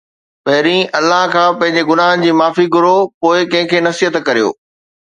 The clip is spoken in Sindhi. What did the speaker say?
پهرين الله کان پنهنجي گناهن جي معافي گهرو، پوءِ ڪنهن کي نصيحت ڪريو